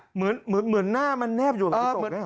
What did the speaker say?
เหมือนหน้ามันแนบอยู่ที่กระจกได้เหรอ